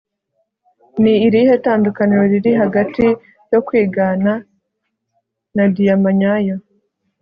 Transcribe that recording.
ni irihe tandukaniro riri hagati yo kwigana na diyama nyayo